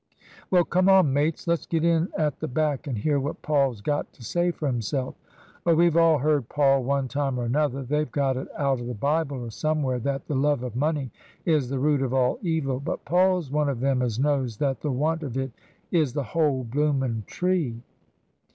" Well ! come on, mates. Let's get in at the back and hear what Paul's got to say for himself." "Oh, we've all heard Paul one time or another. They've got it out of the Bible or somewhere that the love of money is the root of all evil ; but Paul's one of them as knows that the want of it is the whole bloomin' tree."